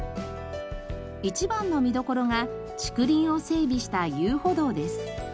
一番の見どころが竹林を整備した遊歩道です。